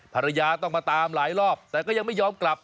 ภรรยาต้องมาตามหลายรอบแต่ก็ยังไม่ยอมกลับ